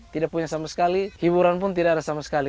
tidak punya sama sekali hiburan pun tidak ada sama sekali